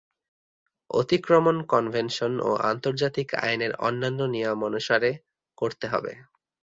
অতিক্রমণ convention ও আন্তর্জাতিক আইনের অন্যান্য নিয়মানুসারে করতে হবে।